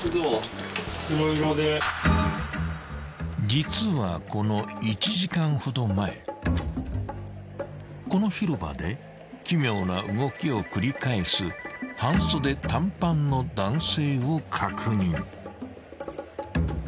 ［実はこの１時間ほど前この広場で奇妙な動きを繰り返す半袖短パンの男性を確認］